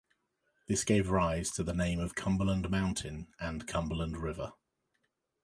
This gave rise to the name of Cumberland Mountain and Cumberland River.